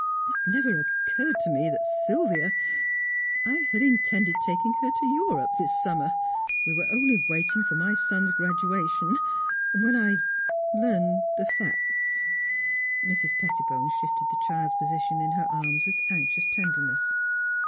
It never occurred to me that Sylvia I had intended taking her to Europe this summer. We were only waiting for my son's graduation, when I — learned — the facts." Mrs. Pettibone shifted the child's position in her arms with anxious tenderness.